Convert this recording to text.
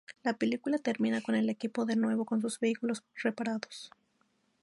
La película termina con el equipo de nuevo con sus vehículos reparados.